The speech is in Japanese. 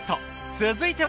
続いては。